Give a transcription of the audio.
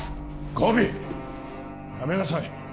ゴビやめなさい